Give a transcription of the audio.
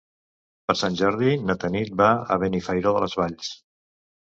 Per Sant Jordi na Tanit va a Benifairó de les Valls.